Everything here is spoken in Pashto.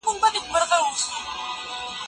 هغه کسان چي څېړونکي دي ښه پوهېږي.